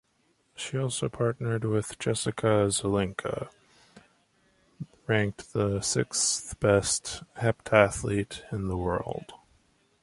She also partnered with Jessica Zelinka, ranked the sixth-best heptathlete in the world.